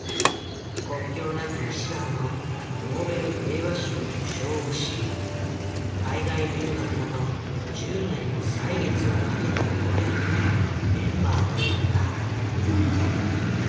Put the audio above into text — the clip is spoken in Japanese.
国境なき医師団のノーベル平和賞受賞を知り海外留学など１０年の歳月をかけてようやくメンバーとなった。